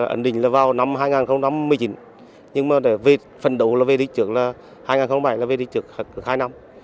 ẩn định là vào năm hai nghìn một mươi chín nhưng mà phần đầu là về địa chức là hai nghìn bảy là về địa chức hai năm